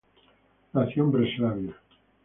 Nació en Breslavia.